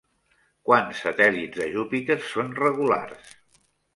Quants satèl·lits de Júpiter són regulars?